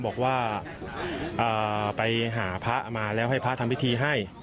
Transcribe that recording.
บอกว่าไปหาพระมาแล้วให้พระทำพิธีให้